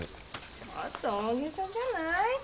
ちょっと大げさじゃない？